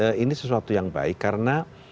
saya lihat ini sesuatu yang baik karena